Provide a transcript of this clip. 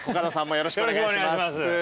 よろしくお願いします。